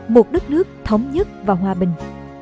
một đất nước thống nhất và hòa bình